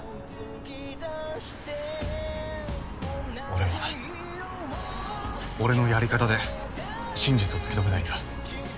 俺は俺のやり方で真実をつきとめたいんだ。